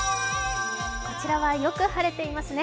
こちらはよく晴れていますね。